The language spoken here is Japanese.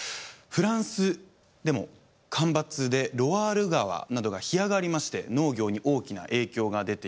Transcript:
フランスでも干ばつでロワール川などが干上がりまして農業に大きな影響が出ています。